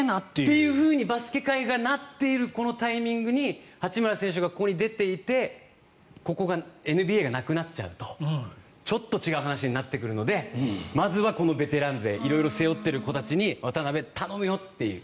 というふうにバスケ界がなっているこのタイミングに八村選手がここに出ていてここがＮＢＡがなくなっちゃうとちょっと違う話になってくるのでまずは、このベテラン勢色々背負っている子たちに渡邊、頼むよという。